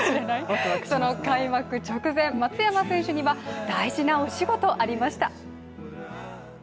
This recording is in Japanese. その開幕直前、松山選手には大事なお仕事ありました。